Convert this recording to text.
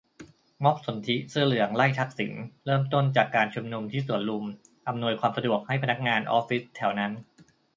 ม็อบสนธิเสื้อเหลืองไล่ทักษิณ เริ่มต้นจากการชุมนุมที่สวนลุม อำนวยความสะดวกให้พนักงานออฟฟิศแถวนั้น